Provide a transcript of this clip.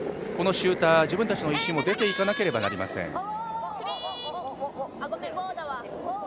このシューター、自分たちの石も出ていかなければなりません。